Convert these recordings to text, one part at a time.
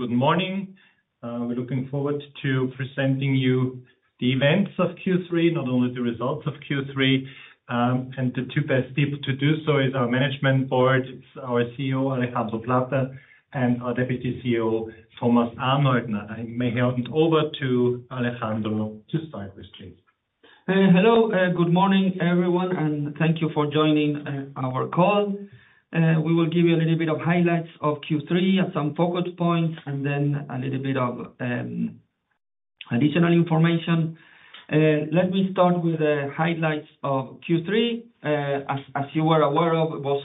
Good morning. We're looking forward to presenting you the events of Q3, not only the results of Q3. The two best people to do so is our management board, it's our CEO, Alejandro Plater, and our Deputy CEO, Thomas Arnoldner. I may hand over to Alejandro to start with, please. Hello, good morning, everyone, and thank you for joining our call. We will give you a little bit of highlights of Q3 and some focus points, and then a little bit of additional information. Let me start with the highlights of Q3. As you are aware of, it was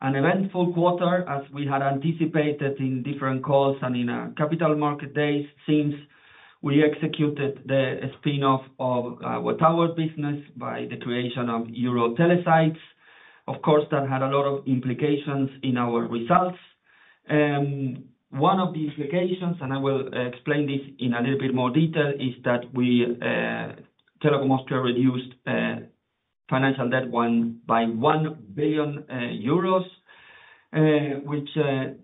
an eventful quarter as we had anticipated in different calls and in capital market days, since we executed the spin-off of our tower business by the creation of EuroTeleSites. Of course, that had a lot of implications in our results. One of the implications, and I will explain this in a little bit more detail, is that we Telekom Austria reduced financial debt by EUR 1 billion. Which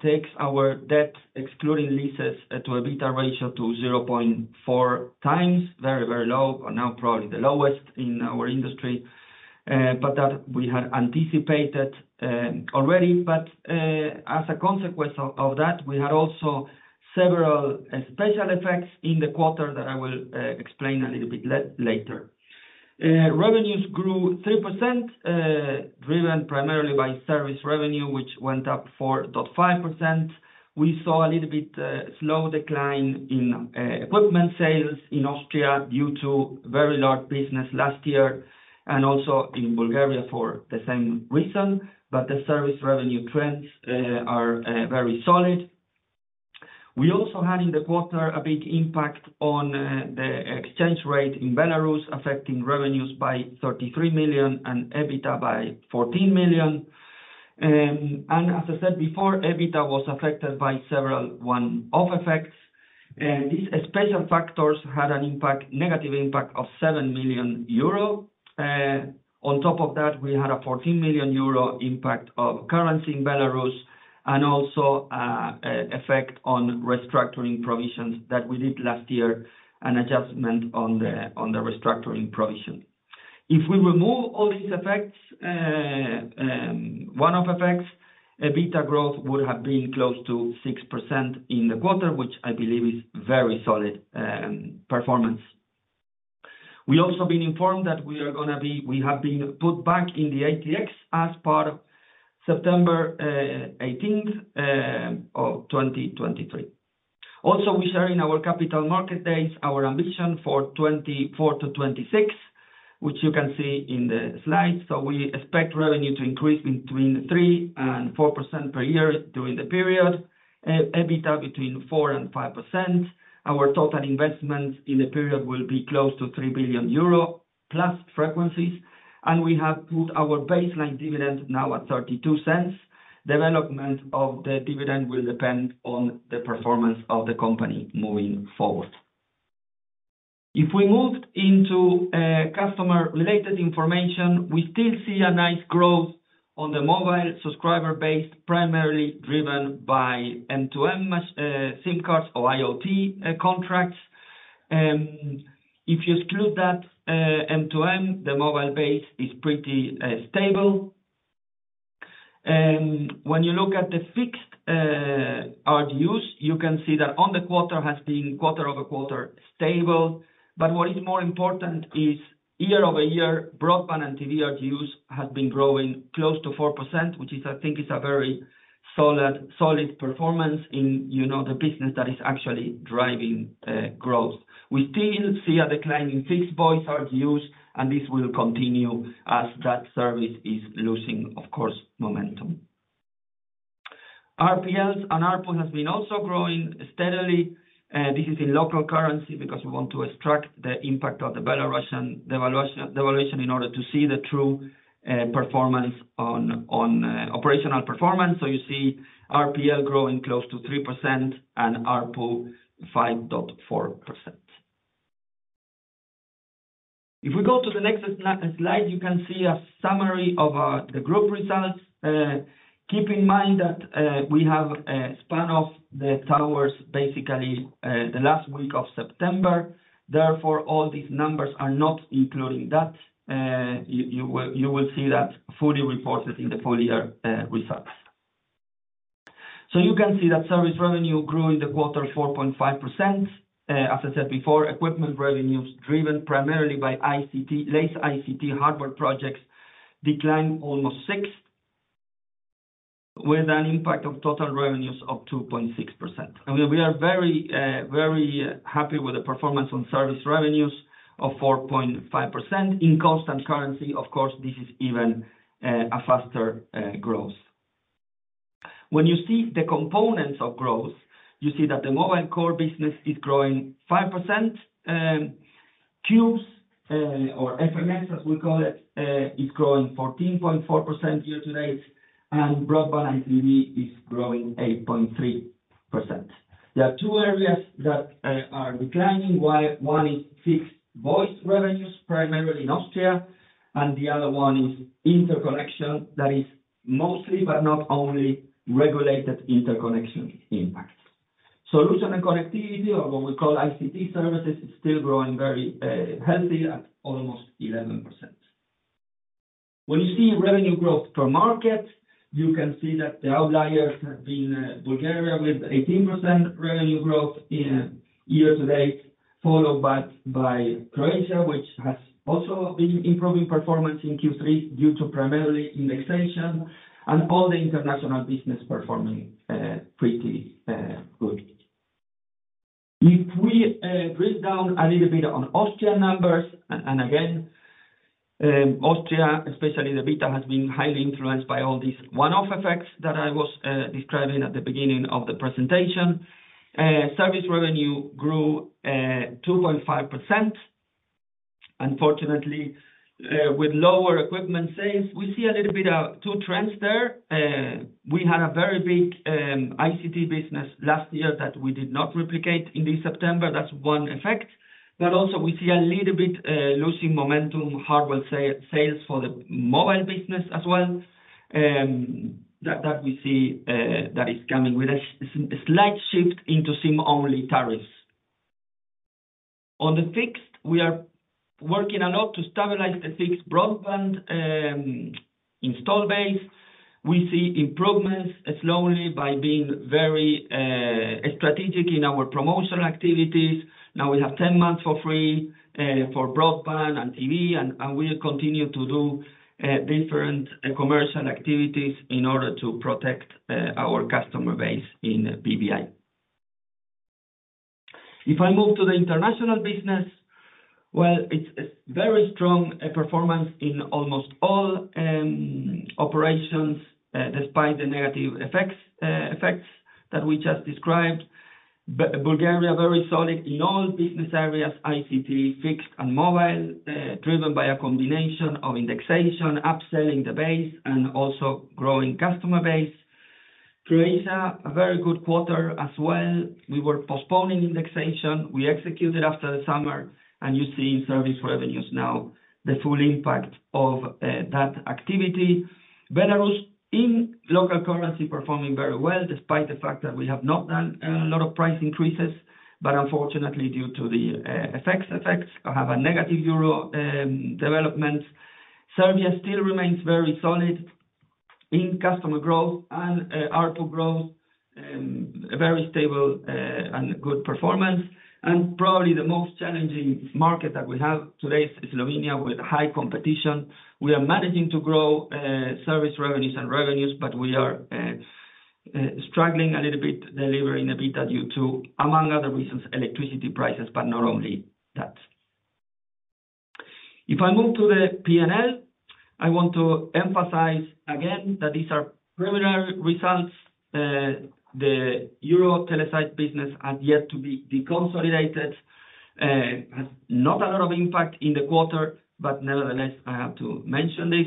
takes our debt, excluding leases, to EBITDA ratio to 0.4 times. Very, very low, and now probably the lowest in our industry. But that we had anticipated already. But as a consequence of that, we had also several special effects in the quarter that I will explain a little bit later. Revenues grew 3%, driven primarily by service revenue, which went up 4.5%. We saw a little bit slow decline in equipment sales in Austria due to very large business last year, and also in Bulgaria for the same reason, but the service revenue trends are very solid. We also had in the quarter a big impact on the exchange rate in Belarus, affecting revenues by 33 million and EBITDA by 14 million. And as I said before, EBITDA was affected by several one-off effects. These special factors had an impact, negative impact of 7 million euro. On top of that, we had a 14 million euro impact of currency in Belarus, and also, effect on restructuring provisions that we did last year, an adjustment on the, on the restructuring provision. If we remove all these effects, one-off effects, EBITDA growth would have been close to 6% in the quarter, which I believe is very solid performance. We also been informed that we are gonna be... We have been put back in the ATX as part of September 18, 2023. Also, we share in our capital market days our ambition for 2024-2026, which you can see in the slide. So we expect revenue to increase between 3% and 4% per year during the period, EBITDA between 4% and 5%. Our total investment in the period will be close to 3 billion euro, plus frequencies, and we have put our baseline dividend now at 0.32. Development of the dividend will depend on the performance of the company moving forward. If we moved into customer-related information, we still see a nice growth on the mobile subscriber base, primarily driven by M2M SIM cards or IoT contracts. If you exclude that M2M, the mobile base is pretty stable. When you look at the fixed ARPU, you can see that on the quarter has been quarter-over-quarter stable. But what is more important is year-over-year, broadband and TV ARPU has been growing close to 4%, which is, I think, a very solid, solid performance in, you know, the business that is actually driving growth. We still see a decline in fixed voice ARPU, and this will continue as that service is losing, of course, momentum. RGUs and ARPU has been also growing steadily. This is in local currency because we want to extract the impact of the Belarusian devaluation in order to see the true performance on operational performance. So you see RGU growing close to 3% and ARPU 5.4%. If we go to the next slide, you can see a summary of the group results. Keep in mind that we have spun off the towers, basically, the last week of September. Therefore, all these numbers are not including that. You will see that fully reported in the full year results. So you can see that service revenue grew in the quarter, 4.5%. As I said before, equipment revenues, driven primarily by ICT, large ICT hardware projects, declined almost 6%, with an impact on total revenues of 2.6%. And we are very, very happy with the performance on service revenues of 4.5%. In constant currency, of course, this is even a faster growth. When you see the components of growth, you see that the mobile core business is growing 5%. Cubes, or FMS, as we call it, is growing 14.4% year to date, and broadband and TV is growing 8.3%. There are two areas that are declining. One is fixed voice revenues, primarily in Austria, and the other one is interconnection. That is mostly, but not only, regulated interconnection impact. Solution and connectivity, or what we call ICT services, is still growing very healthy at almost 11%. When you see revenue growth per market, you can see that the outliers have been Bulgaria, with 18% revenue growth in year-to-date, followed by Croatia, which has also been improving performance in Q3 due to primarily indexation and all the international business performing pretty good. If we break down a little bit on Austria numbers, and again, Austria, especially the EBITDA, has been highly influenced by all these one-off effects that I was describing at the beginning of the presentation. Service revenue grew 2.5%. Unfortunately, with lower equipment sales, we see a little bit of two trends there. We had a very big ICT business last year that we did not replicate in this September. That's one effect. But also we see a little bit losing momentum, hardware sales for the mobile business as well. That we see that is coming with a slight shift into SIM-only tariffs. On the fixed, we are working a lot to stabilize the fixed broadband install base. We see improvements slowly by being very strategic in our promotional activities. Now, we have 10 months for free for broadband and TV, and we'll continue to do different commercial activities in order to protect our customer base in BBI. If I move to the international business, well, it's a very strong performance in almost all operations despite the negative effects that we just described. Bulgaria, very solid in all business areas, ICT, fixed, and mobile, driven by a combination of indexation, upselling the base, and also growing customer base. Croatia, a very good quarter as well. We were postponing indexation. We executed after the summer, and you're seeing service revenues now, the full impact of that activity. Belarus, in local currency, performing very well, despite the fact that we have not done a lot of price increases, but unfortunately, due to the FX effects, I have a negative euro development. Serbia still remains very solid in customer growth and ARPU growth, a very stable and good performance. And probably the most challenging market that we have today is Slovenia, with high competition. We are managing to grow service revenues and revenues, but we are struggling a little bit delivering EBITDA due to, among other reasons, electricity prices, but not only that. If I move to the P&L, I want to emphasize again that these are preliminary results. The EuroTeleSites business has yet to be deconsolidated. Has not a lot of impact in the quarter, but nevertheless, I have to mention this.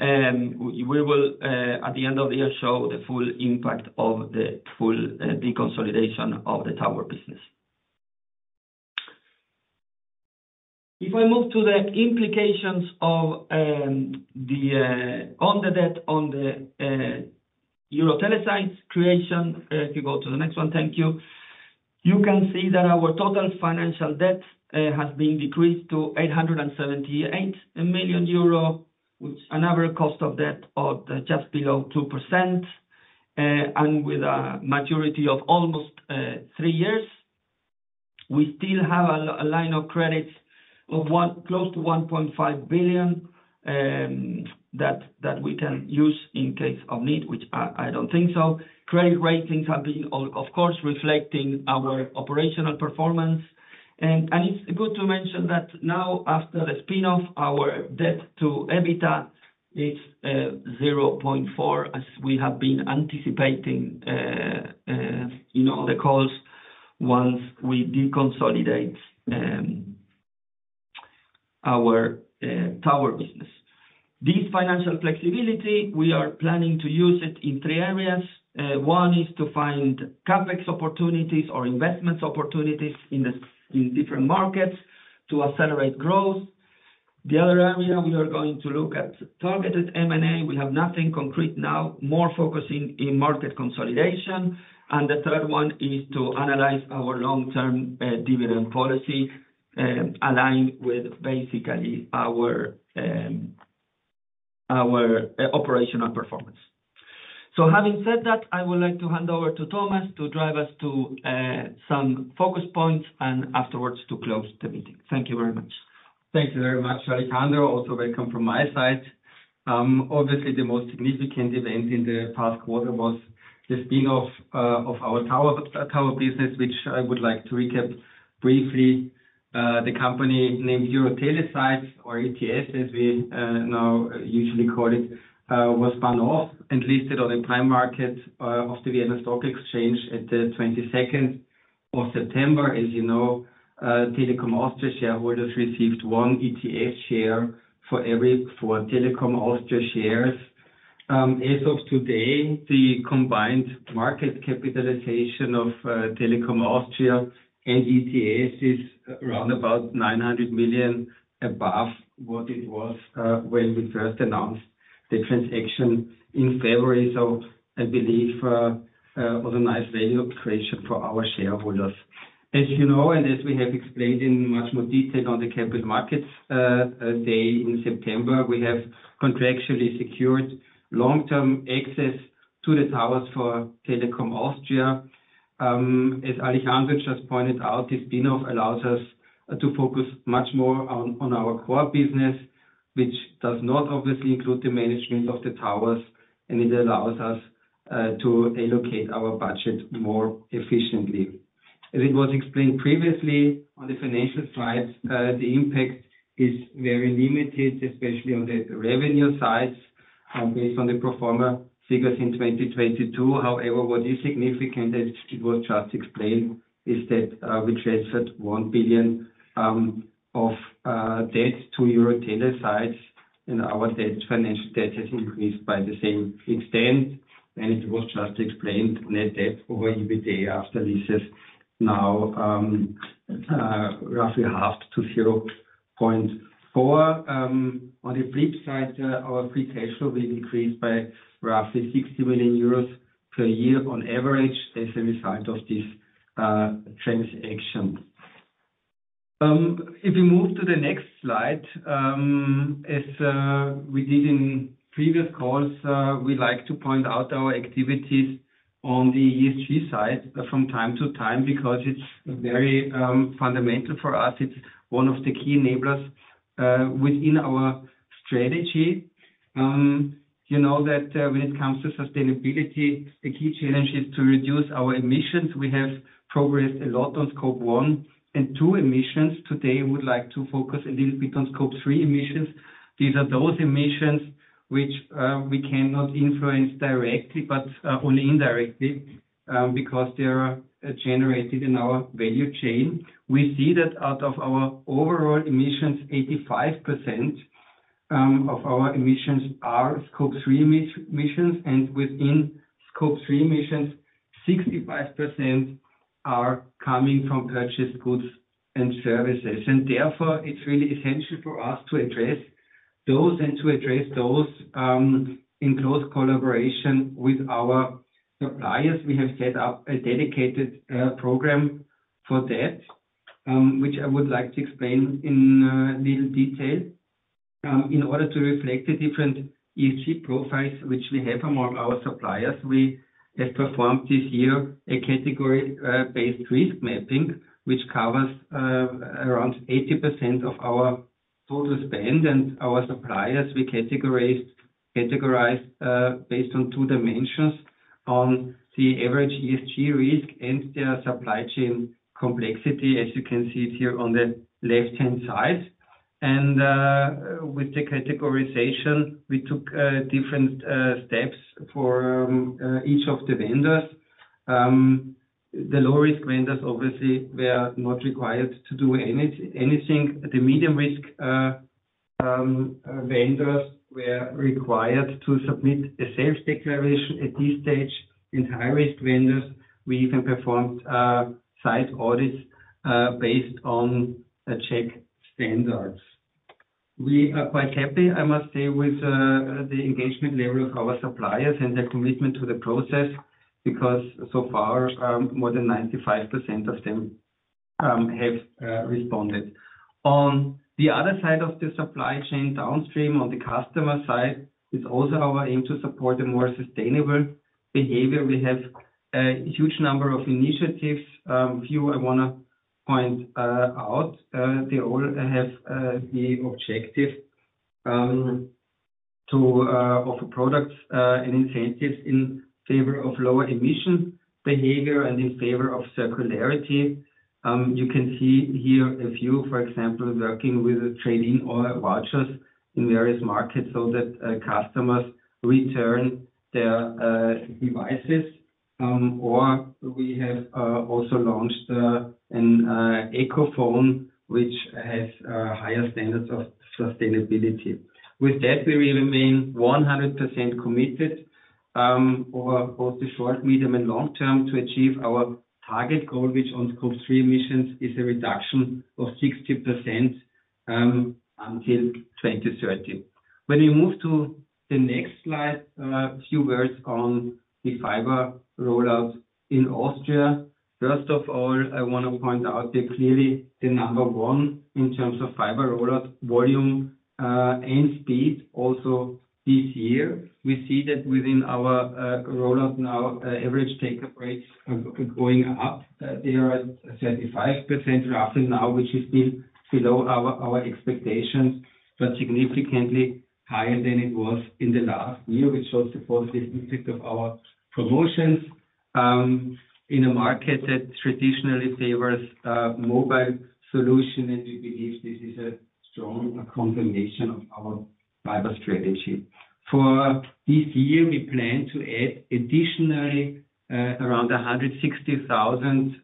We will at the end of the year show the full impact of the full deconsolidation of the tower business. If I move to the implications of the on the debt, on the EuroTeleSites creation. If you go to the next one, thank you. You can see that our total financial debt has been decreased to 878 million euro, which an average cost of debt of just below 2%, and with a maturity of almost 3 years. We still have a line of credits of close to 1.5 billion, that we can use in case of need, which I don't think so. Credit ratings have been, of course, reflecting our operational performance. It's good to mention that now, after the spin-off, our debt to EBITDA is 0.4, as we have been anticipating, in all the calls once we deconsolidate our tower business. This financial flexibility, we are planning to use it in 3 areas. One is to find CapEx opportunities or investments opportunities in different markets to accelerate growth. The other area, we are going to look at targeted M&A. We have nothing concrete now, more focusing in market consolidation. The third one is to analyze our long-term dividend policy, aligned with basically our operational performance. Having said that, I would like to hand over to Thomas to drive us to some focus points and afterwards to close the meeting. Thank you very much. Thank you very much, Alejandro. Also welcome from my side. Obviously, the most significant event in the past quarter was the spin-off of our tower business, which I would like to recap briefly. The company named EuroTeleSites, or ETS, as we now usually call it, was spun off and listed on the Prime Market of the Vienna Stock Exchange at the twenty-second of September. As you know, Telekom Austria shareholders received one ETS share for every four Telekom Austria shares. As of today, the combined market capitalization of Telekom Austria and ETS is around about 900 million above what it was when we first announced the transaction in February. So I believe it was a nice value creation for our shareholders. As you know, and as we have explained in much more detail on the capital markets day in September, we have contractually secured long-term access to the towers for Telekom Austria. As Alejandro just pointed out, this spin-off allows us to focus much more on our core business, which does not obviously include the management of the towers, and it allows us to allocate our budget more efficiently. As it was explained previously on the financial slides, the impact is very limited, especially on the revenue side, based on the pro forma figures in 2022. However, what is significant, as it was just explained, is that we transferred 1 billion of debt to EuroTeleSites, and our debt, financial debt has increased by the same extent. It was just explained, net debt over EBITDA after leases now, roughly 0.5-0.4. On the flip side, our free cash flow will increase by roughly 60 million euros per year on average, as a result of this transaction. If we move to the next slide, as we did in previous calls, we like to point out our activities on the ESG side from time to time, because it's very fundamental for us. It's one of the key enablers within our strategy. You know that when it comes to sustainability, the key challenge is to reduce our emissions. We have progressed a lot on Scope 1 and 2 emissions. Today, we would like to focus a little bit on Scope 3 emissions. These are those emissions which we cannot influence directly, but only indirectly because they are generated in our value chain. We see that out of our overall emissions, 85% of our emissions are Scope 3 emissions, and within Scope 3 emissions, 65% are coming from purchased goods and services. Therefore, it's really essential for us to address those, and to address those in close collaboration with our suppliers. We have set up a dedicated program for that which I would like to explain in little detail. In order to reflect the different ESG profiles which we have among our suppliers, we have performed this year a category-based risk mapping, which covers around 80% of our total spend. Our suppliers, we categorized based on two dimensions: on the average ESG risk and their supply chain complexity, as you can see it here on the left-hand side. With the categorization, we took different steps for each of the vendors. The low-risk vendors, obviously, were not required to do anything. The medium risk vendors were required to submit a self-declaration at this stage. In high-risk vendors, we even performed site audits based on JAC standards. We are quite happy, I must say, with the engagement level of our suppliers and their commitment to the process, because so far, more than 95% of them have responded. On the other side of the supply chain, downstream on the customer side, is also our aim to support a more sustainable behavior. We have a huge number of initiatives. A few I want to point out. They all have the objective to offer products and incentives in favor of lower emission behavior and in favor of circularity. You can see here a few, for example, working with trade-in or vouchers in various markets so that customers return their devices. Or we have also launched an eco phone, which has higher standards of sustainability. With that, we will remain 100% committed over both the short, medium, and long term to achieve our target goal, which on Scope 3 emissions, is a reduction of 60% until 2030. When we move to the next slide, a few words on the fiber rollout in Austria. First of all, I want to point out that clearly the number one in terms of fiber rollout, volume, and speed, also this year. We see that within our rollout now, average take-up rates are going up. They are at 35% roughly now, which is still below our expectations, but significantly higher than it was in the last year, which shows the positive impact of our promotions, in a market that traditionally favors mobile solution, and we believe this is a strong confirmation of our fiber strategy. For this year, we plan to add additionally around 160,000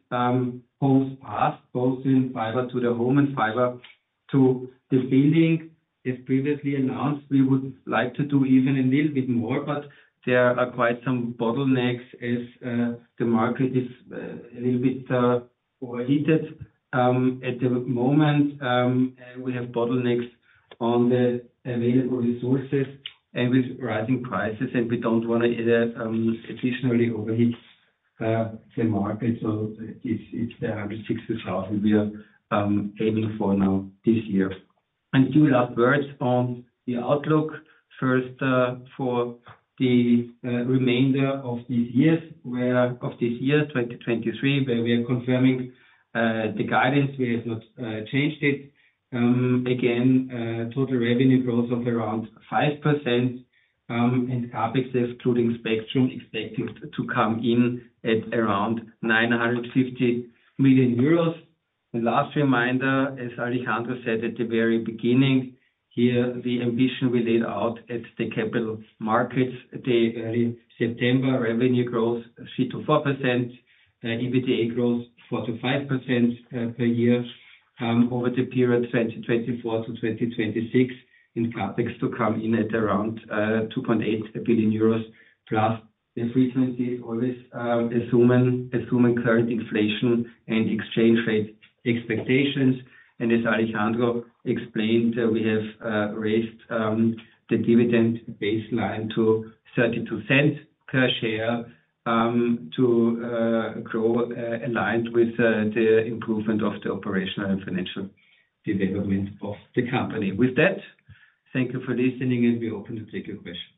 homes passed, both in fiber to the home and fiber to the building. As previously announced, we would like to do even a little bit more, but there are quite some bottlenecks as the market is a little bit overheated. At the moment, we have bottlenecks on the available resources and with rising prices, and we don't want to additionally overheat the market. So it's the 160,000 we are aiming for now this year. And a few last words on the outlook. First, for the remainder of this year, of this year, 2023, where we are confirming the guidance, we have not changed it. Again, total revenue growth of around 5%, and CapEx, including spectrum, expected to come in at around 950 million euros. The last reminder, as Alejandro said at the very beginning, here, the ambition we laid out at the capital markets day, early September, revenue growth 3%-4%, EBITDA growth 4%-5% per year over the period 2024-2026, and CapEx to come in at around 2.8 billion euros+. As recently, always, assuming current inflation and exchange rate expectations. And as Alejandro explained, we have raised the dividend baseline to 0.32 per share to grow aligned with the improvement of the operational and financial development of the company. With that, thank you for listening, and we are open to take your questions.